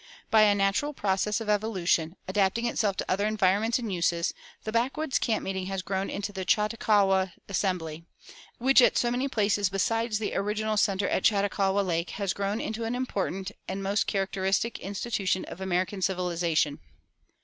By a natural process of evolution, adapting itself to other environments and uses, the backwoods camp meeting has grown into the "Chautauqua" assembly, which at so many places besides the original center at Chautauqua Lake has grown into an important and most characteristic institution of American civilization.